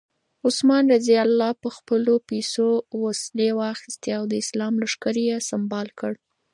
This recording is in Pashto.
عثمان رض په خپلو پیسو وسلې واخیستې او د اسلام لښکر یې سمبال کړ.